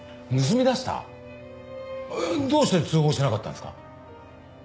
どうして通報しなかったんですか？